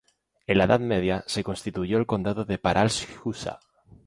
En la Edad Media, se constituyó el Condado de Pallars Jussá.